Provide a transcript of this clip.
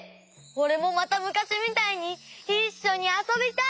おれもまたむかしみたいにいっしょにあそびたい！